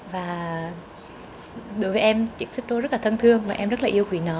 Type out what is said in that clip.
và đối với em chiếc xích lô rất là thân thương và em rất là yêu quý nó